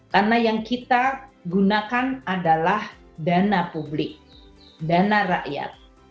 karena yang kita gunakan adalah dana publik dana rakyat